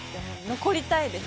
残りたいです。